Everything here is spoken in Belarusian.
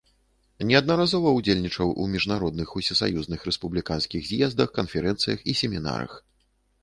Неаднаразова ўдзельнічаў у міжнародных, усесаюзных, рэспубліканскіх з'ездах, канферэнцыях і семінарах.